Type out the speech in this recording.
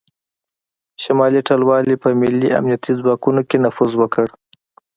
شمالي ټلوالې په ملي امنیتي ځواکونو کې نفوذ وکړ